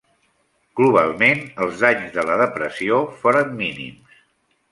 Globalment, els danys de la depressió foren mínims.